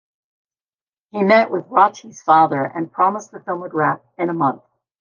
He met with Rati's father and promised the film would wrap in a month.